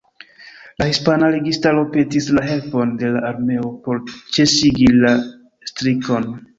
La hispana registaro petis la helpon de la armeo por ĉesigi la strikon.